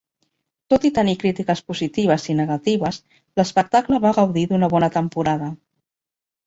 Tot i tenir crítiques positives i negatives, l'espectacle va gaudir d'una bona temporada.